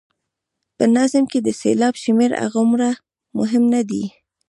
په نظم کې د سېلاب شمېر هغومره مهم نه دی.